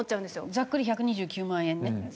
ざっくり１２９万円ね。